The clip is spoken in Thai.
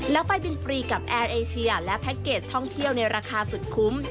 แล้วไปบินฟรีกับแอร์เอเชียและแพ็คเกจท่องเที่ยวในราคาสุดคุ้ม